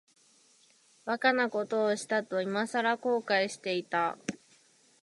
馬鹿なことをしたと、いまさら後悔していた。